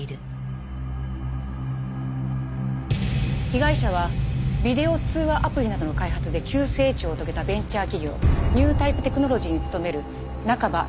被害者はビデオ通話アプリなどの開発で急成長を遂げたベンチャー企業ニュータイプテクノロジーに勤める中葉美智さん４０歳。